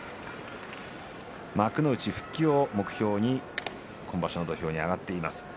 幕内復帰を目標に今場所の土俵に上がっています。